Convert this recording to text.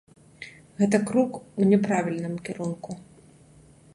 Гэта крок у няправільным кірунку.